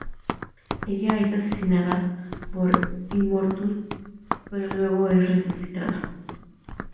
Ella es asesinada por Immortus, pero luego es resucitada.